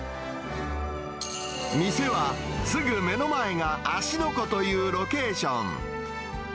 店はすぐ目の前が芦ノ湖というロケーション。